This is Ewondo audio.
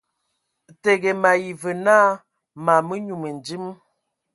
Təgə, mayi və nə ma nyu mədim.